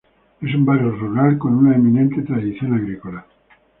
Es un barrio rural con una eminente tradición agrícola.